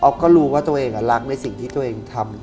ก็รู้ว่าตัวเองรักในสิ่งที่ตัวเองทำ